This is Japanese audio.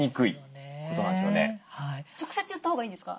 直接言ったほうがいいんですか？